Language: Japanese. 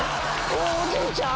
おじいちゃん⁉